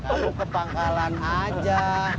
kamu ke pangkalan aja